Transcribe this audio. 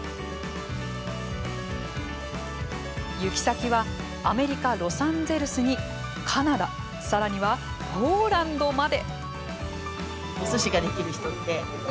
行き先はアメリカ・ロサンゼルスにカナダさらにはポーランドまで。